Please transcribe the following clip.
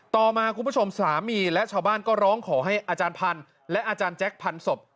ต่อมาคุณผู้ชมสามีและชาวบ้านก็ร้องขอให้อาจารย์พันธุ์และอาจารย์แจ็คพันศพ